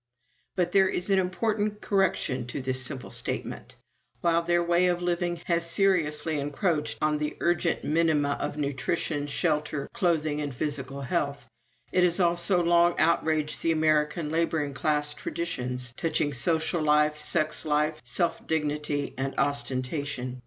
But there is an important correction to this simple statement. While their way of living has seriously encroached on the urgent minima of nutrition, shelter, clothing, and physical health, it has also long outraged the American laboring class traditions touching social life, sex life, self dignity, and ostentation.